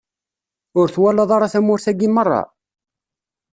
Ur twalaḍ ara tamurt-agi meṛṛa?